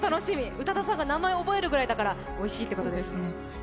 宇多田さんが名前覚えるくらいだからおいしいっていうことで。